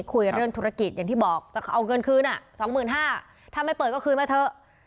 คุยเรื่องธุรกิจอย่างที่บอกจะเอาเงินคืน๒๕๐๐บาทถ้าไม่เปิดก็คืนมาเถอะ